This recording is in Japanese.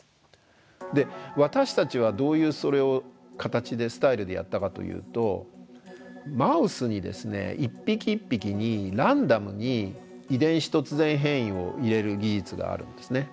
私たちはどういうそれを形でスタイルでやったかというとマウスにですね一匹一匹にランダムに遺伝子突然変異を入れる技術があるんですね。